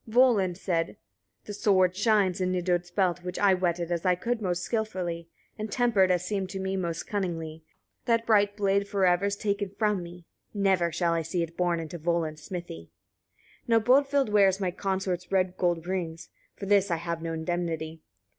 Volund said: 17. "The sword shines in Nidud's belt, which I whetted as I could most skilfully, and tempered, as seemed to me most cunningly. That bright blade forever is taken from me: never shall I see it borne into Volund's smithy. 18. Now Bodvild wears my consort's red gold rings: for this I have no indemnity."